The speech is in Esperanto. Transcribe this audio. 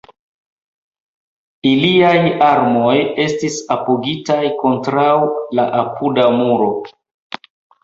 Iliaj armoj estis apogitaj kontraŭ la apuda muro.